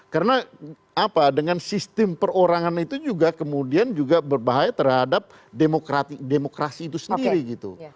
karena dengan sistem perorangan itu juga kemudian berbahaya terhadap demokrasi itu sendiri gitu